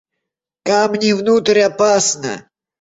Камни внутрь опасно!